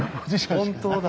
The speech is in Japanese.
本当だ。